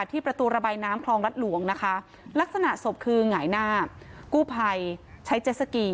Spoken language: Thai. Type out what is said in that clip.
ประตูระบายน้ำคลองรัฐหลวงนะคะลักษณะศพคือหงายหน้ากู้ภัยใช้เจสสกี